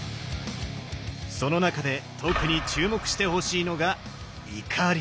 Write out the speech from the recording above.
その中で特に注目してほしいのが「怒り」。